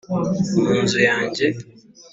mu nzu yanjye